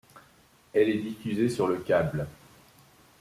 Elle est diffusée sur le câble.